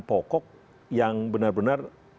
pokok yang benar benar